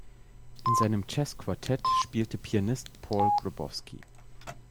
In seinem Jazzquartett spielte Pianist Paul Grabowsky.